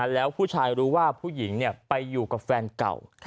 แล้วผู้ชายรู้ว่าผู้หญิงไปอยู่กับแฟนเก่า